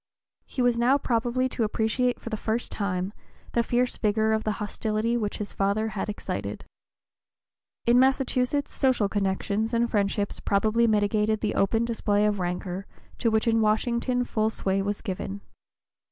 He was now probably to appreciate for the first time the fierce vigor of the hostility which his father had excited. In Massachusetts social connections and friendships probably mitigated the open display of rancor to which in Washington full sway was given.